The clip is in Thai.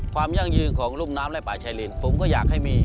ยั่งยืนของรุ่มน้ำและป่าชายลินผมก็อยากให้มี